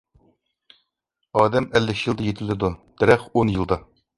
ئادەم ئەللىك يىلدا يېتىلىدۇ، دەرەخ ئون يىلدا.